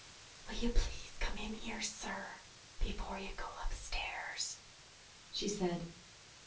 "Will you please come in here, sir, before you go upstairs?" she said.